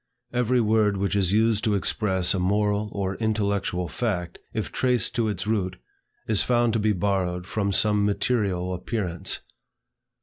Every word which is used to express a moral or intellectual fact, if traced to its root, is found to be borrowed from some material appearance.